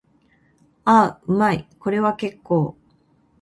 ああ、うまい。これは結構。